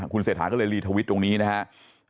คุณเศรษฐาก็เลยรีทวิตตรงนี้นะครับ